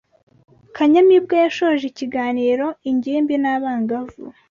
Kanyamibwa yashoje ikiganiro ingimbi n’abangavu